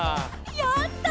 やった！